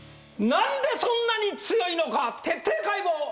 何でそんなに強いのか徹底解剖。